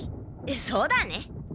そうだね。